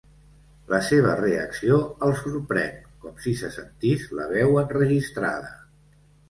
La seva reacció el sorprèn, com si se sentís la veu enregistrada.